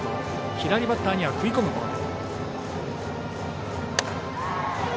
左バッターには食い込むボール。